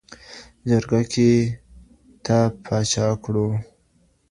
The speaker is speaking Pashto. جرګه کي تا پاچا کړو